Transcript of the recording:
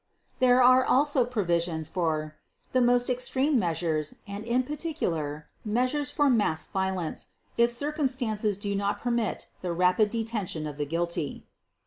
There are also provisions for "the most extreme measures, and, in particular, 'measures for mass violence', if circumstances do not permit the rapid detection of the guilty."